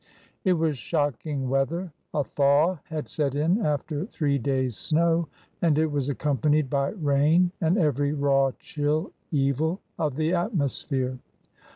It was shocking weather. A thaw had set in after three days' snow, and it was accompanied by rain and every raw chill evil of the atmosphere.